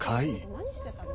・何してたの？